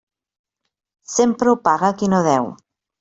Sempre ho paga qui no deu.